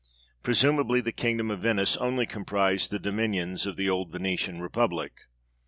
Presumably the Kingdom of Venice only comprised the dominions of the old Venetian republic.